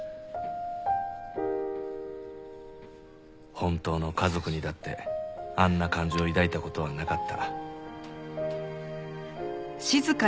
本当の家族にだってあんな感情を抱いた事はなかった。